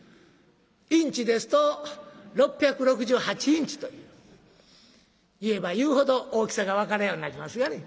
インチですと６６８インチという言えば言うほど大きさが分からんようになりますがね。